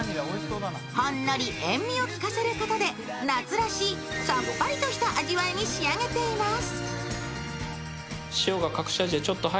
ほんのり塩みをきかせることで夏らしいさっぱりとした味わいに仕上げています。